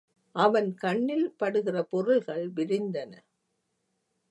அவன் கண்ணில் படுகிற பொருள்கள் விரிந்தன.